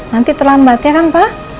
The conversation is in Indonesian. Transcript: nanti terlambat ya kan pa